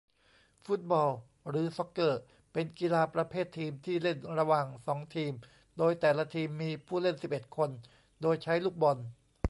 ฟุตบอล หรือ ซอกเกอร์ เป็นกีฬาประเภททีมที่เล่นระหว่างสองทีมโดยแต่ละทีมมีผู้เล่นสิบเอ็ดคน โดยใช้ลูกบอล